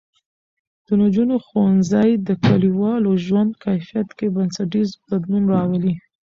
د نجونو ښوونځی د کلیوالو ژوند کیفیت کې بنسټیز بدلون راولي.